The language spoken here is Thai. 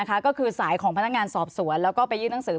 ก็คือสายของพนักงานสอบสวนแล้วก็ไปยื่นหนังสือ